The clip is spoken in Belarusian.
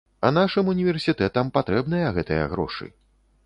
А нашым універсітэтам патрэбныя гэтыя грошы.